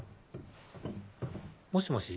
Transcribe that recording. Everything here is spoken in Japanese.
もしもし。